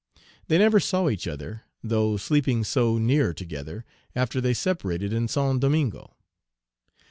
They never saw each other, though sleeping so near together, after they separated in Saint Domingo.